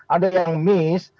ada yang miss